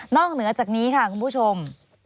เหนือจากนี้ค่ะคุณผู้ชม